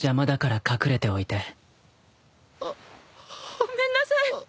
ごめんなさい。